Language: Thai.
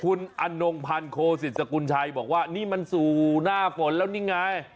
คุณอนงพันธ์โคสิตสกุลชัยบอกว่านี่มันสู่หน้าฝนแล้วนี่ไง